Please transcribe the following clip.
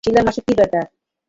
শিলা মাসির কি দরকার?